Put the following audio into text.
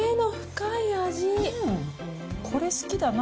これ好きだな。